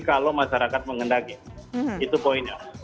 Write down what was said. kalau masyarakat mengendaki itu poinnya